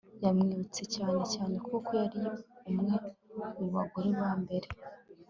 yamwibutse cyane cyane kuko yari umwe mubagore ba mbere